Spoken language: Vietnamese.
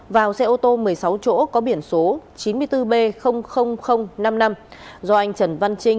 vào xe ô tô một mươi sáu chỗ có biển số chín mươi bốn b năm mươi năm do anh trần văn trinh